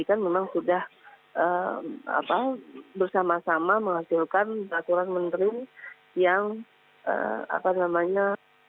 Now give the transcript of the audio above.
kan memang sudah bersama sama menghasilkan aturan menteri yang apa namanya